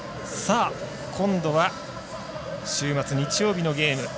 今度は、週末日曜日のゲーム。